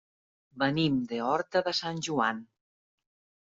Venim de Horta de Sant Joan.